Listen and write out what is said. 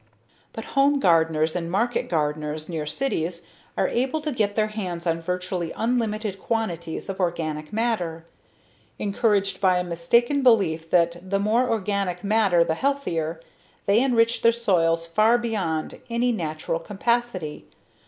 But home gardeners and market gardeners near cities are able to get their hands on virtually unlimited quantities of organic matter. Encouraged by a mistaken belief that the more organic matter the healthier, they enrich their soil far beyond any natural capacity.